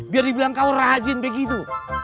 biar dibilang kau rahajin begitu